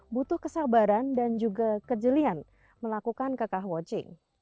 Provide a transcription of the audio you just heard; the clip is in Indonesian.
butuh kesabaran dan juga kejelian melakukan keka watching